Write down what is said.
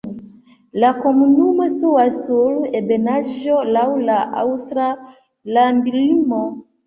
La komunumo situas sur ebenaĵo laŭ la aŭstra landlimo.